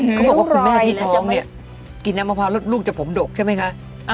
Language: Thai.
เขาบอกว่าคุณแม่ที่ท้องเนี่ยกินน้ำมะพร้าวแล้วลูกจะผมดกใช่ไหมคะ